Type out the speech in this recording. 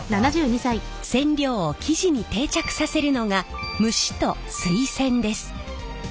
染料を生地に定着させるのが蒸しと水洗です。